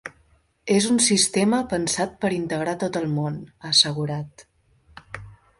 És un sistema pensat per integrar tot el món, ha assegurat.